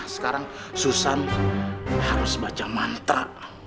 sekarang susan harus baca mantra